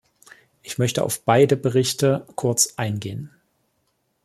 Ich möchte auf beide Berichte kurz eingehen.